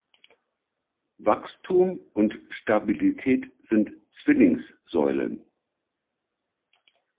Wachstum und Stabilität sind Zwillingssäulen.